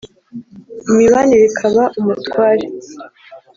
imibanire ikaba umutware